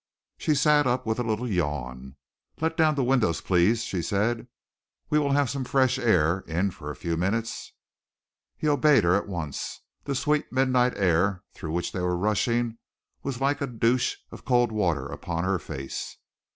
She sat up, with a little yawn. "Let down the windows, please," she said. "We will have some fresh air in for a few minutes." He obeyed her at once. The sweet midnight air through which they were rushing was like a douche of cold water upon her face.